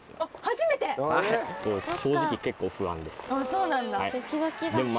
そうなんだ。